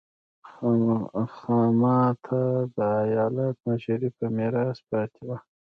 خاما ته د ایالت مشري په میراث پاتې وه.